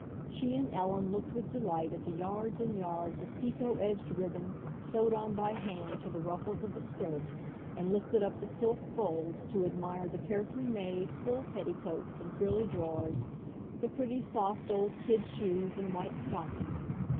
She and Ellen looked with delight at the yards and yards of picot edged ribbon, sewed on by hand to the ruffles of the skirt, and lifted up the silk folds to admire the carefully made, full petticoats and frilly drawers, the pretty, soft old kid shoes and white stockings.